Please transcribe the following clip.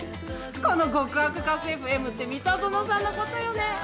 この「極悪家政婦Ｍ」って三田園さんの事よね？